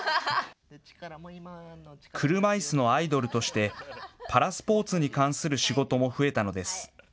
車いすのアイドルとして、パラスポーツに関する仕事も増えたのです。